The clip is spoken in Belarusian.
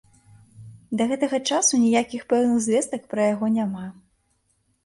Да гэтага часу ніякіх пэўных звестак пра яго няма.